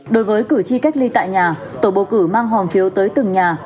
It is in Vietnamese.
đối với cử tri cách ly tại nhà tổ bầu cử mang hòm phiếu tới từng nhà